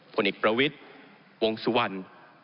พลเอขประวิตย์วงสวรรค์